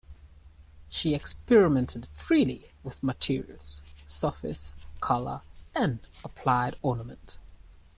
She experimented freely with materials, surface, color and applied ornament.